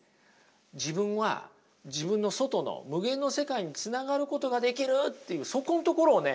自分は自分の外の無限の世界につながることができるっていうそこのところをね